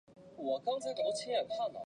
村上直次郎是日本历史学家。